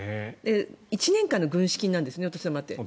１年間の軍資金なんですねお年玉って。